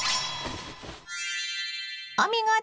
お見事！